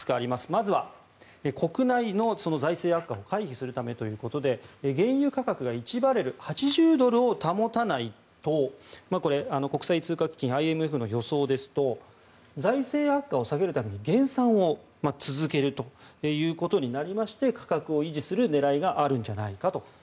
まずは国内の財政悪化を回避するためということで原油価格が１バレル＝８０ドルを保たないとこれ、国際通貨基金・ＩＭＦの予想ですと財政悪化を避けるために減産を続けるということになりまして価格を維持する狙いがあるんじゃないかと。